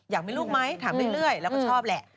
อยากมีลูกไหมถามเรื่อยแล้วก็ชอบแหละ